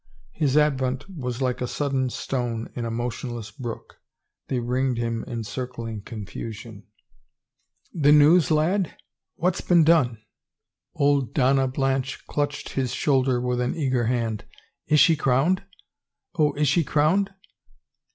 His advent was like a sudden stone in a motionless brook; they ringed him in circling confusion. 253 ; THE FAVOR OF KINGS "The news, lad? What's been done?" Old Donna Blanche clutched his shoulder with an eager hand. Is she crowned ? Oh, is she crowned